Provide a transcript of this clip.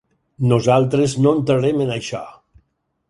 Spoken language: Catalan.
Nosaltres no entrarem en això.